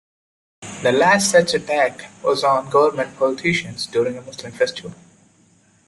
The last such attack was on government politicians during a Muslim festival.